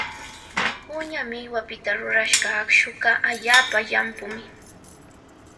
Wikuña millwapita rurashqa aqshuqa allaapa llampumi.